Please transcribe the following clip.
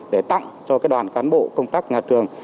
để tặng cho đoàn cán bộ công tác nhà trường